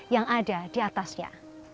yang ada di atasnya